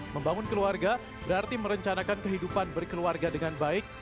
membangun keluarga berarti merencanakan kehidupan berkeluarga dengan baik